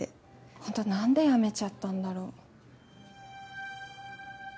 ほんと何で辞めちゃったんだろ。